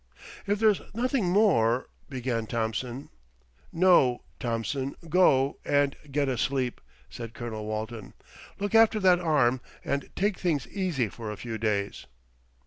"If there's nothing more " began Thompson. "No, Thompson, go and get a sleep," said Colonel Walton. "Look after that arm, and take things easy for a few days."